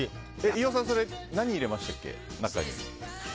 飯尾さん、それ中に何を入れましたっけ。